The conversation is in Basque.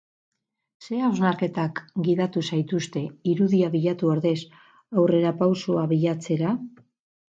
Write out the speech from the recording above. Zer hausnarketak gidatu zaituzte irudia bilatu ordez aurrerapausoa bilatzera?